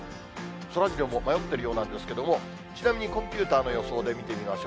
そらジローも迷ってるようなんですけれども、ちなみにコンピューターの予想で見てみましょう。